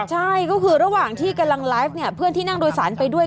ใช่ก็คือระหว่างที่กำลังไลฟ์เนี่ยเพื่อนที่นั่งโดยสารไปด้วย